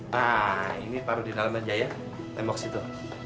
nah ini paru di dalam aja ya tembok situ